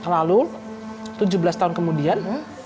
lalu tujuh belas tahun kemudian